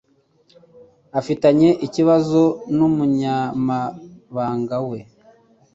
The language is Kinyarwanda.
Afitanye ikibazo numunyamabanga we.